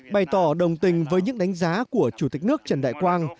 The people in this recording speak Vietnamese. bày tỏ đồng tình với những đánh giá của chủ tịch nước trần đại quang